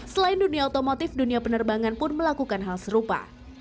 selain dunia otomotif dunia penerbangan pun melakukan hal serupa